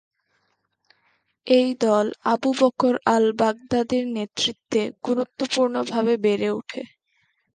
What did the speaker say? এই দল আবু বকর আল-বাগদাদীর নেতৃত্বে গুরুত্বপূর্ণভাবে বেড়ে উঠে।